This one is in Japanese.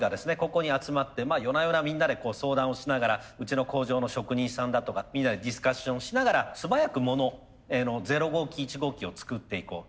ここに集まって夜な夜なみんなで相談をしながらうちの工場の職人さんだとかみんなでディスカッションしながら素早くモノゼロ号機１号機を作っていこう。